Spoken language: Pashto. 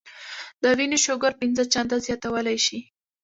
د وينې شوګر پنځه چنده زياتولے شي -